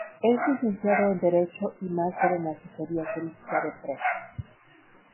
Es licenciado en Derecho y máster en Asesoría Jurídica de Empresas.